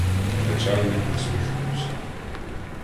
Начальник усміхнувся.